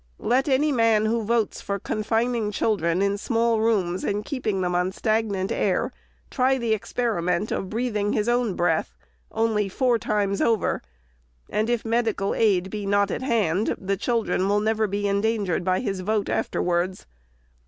Let any man, who votes for confining children in small rooms and keeping them on stagnant air, try the experiment of breathing his own breath only four times over ; and, if medical aid be not at hand, the children will never be endangered by his vote afterwards.